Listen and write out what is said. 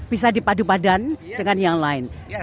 bisa dipadupadan dengan yang lain